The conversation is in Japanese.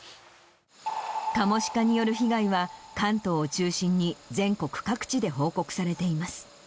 カモシカによる被害は関東を中心に全国各地で報告されています。